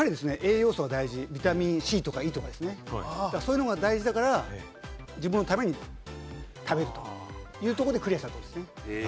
ビタミンＣとかＥとか、そういうのが大事だから、自分のために食べるというところでクリアしたということです。